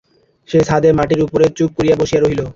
সেই ছাদে মাটির উপরে চুপ করিয়া বসিয়া রহিল।